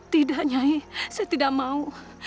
tidak nyahi saya tidak mau